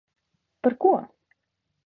Par ko?